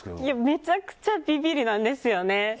めちゃくちゃビビりなんですよね。